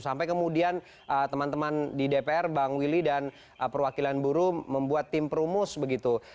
sampai kemudian teman teman di dpr bang willy dan perwakilan buruh membuat tim perumus begitu